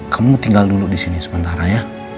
kamu tinggal dulu di sini sementara ya